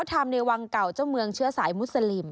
ทำในวังเก่าเจ้าเมืองเชื้อสายมุสลิม